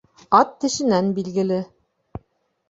Ат тешенән билгеле